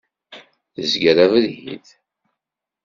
Tezger abrid.